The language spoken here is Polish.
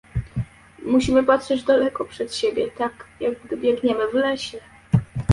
Musimy patrzeć daleko przed siebie tak, jak gdy biegniemy w lesie